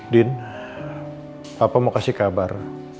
din apa mau kasih kabar